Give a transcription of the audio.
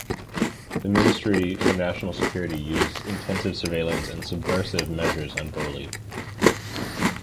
The Ministry for National Security used intensive surveillance and subversive measures on Bohley.